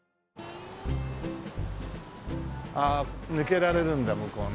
ああ抜けられるんだ向こうな。